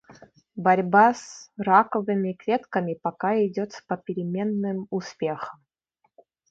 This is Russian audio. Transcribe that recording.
Борьба с раковыми клетками пока идёт с попеременным успехом.